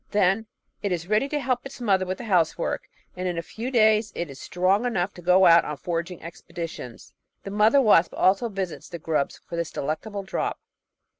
Then it is ready to help its mother with the housework, and in a few days is strong enough to go out on foraging expeditions. The mother wasp also visits the grubs for this delectable drop.